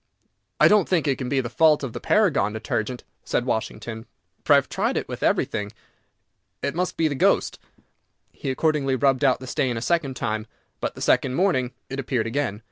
"I don't think it can be the fault of the Paragon Detergent," said Washington, "for I have tried it with everything. It must be the ghost." He accordingly rubbed out the stain a second time, but the second morning it appeared again.